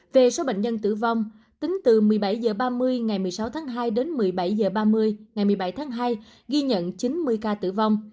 về số bệnh nhân tử vong tính từ một mươi bảy h ba mươi ngày một mươi sáu tháng hai đến một mươi bảy h ba mươi ngày một mươi bảy tháng hai ghi nhận chín mươi ca tử vong